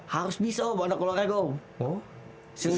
harus bisa om